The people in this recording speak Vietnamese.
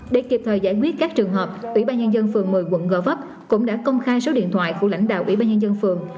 để kịp thời giải quyết các trường hợp ủy ban nhân dân phường một mươi quận gò vấp cũng đã công khai số điện thoại của lãnh đạo ủy ban nhân dân phường